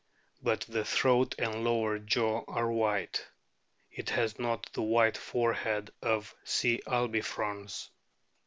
But the throat and lower jaw are white. It has not the white forehead of C. albifrons.